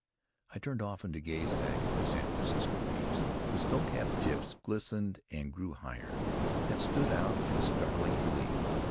I turned often to gaze back at the San Francisco peaks. The snowcapped tips glistened and grew higher, and stood out in startling relief.